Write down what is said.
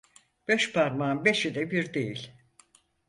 Beş parmağın beşi de bir değil.